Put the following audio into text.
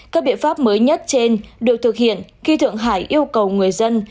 các biện pháp mới nhất trên được thực hiện khi thượng hải yêu cầu người dân